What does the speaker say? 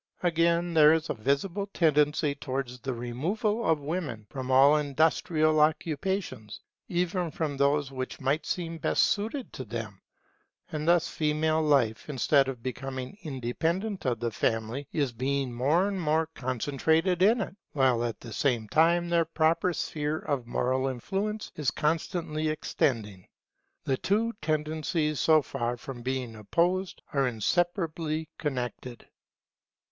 Again, there is a visible tendency towards the removal of women from all industrial occupations, even from those which might seem best suited to them. And thus female life, instead of becoming independent of the Family, is being more and more concentrated in it; while at the same time their proper sphere of moral influence is constantly extending. The two tendencies so far from being opposed, are inseparably connected.